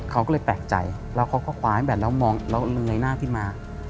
เขาก็เลยแปลกใจแล้วเขาก็คว้าให้แบตแล้วมองแล้วเงยหน้าขึ้นมา